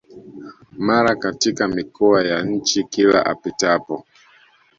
mara katika mikoa ya nchi Kila apitapo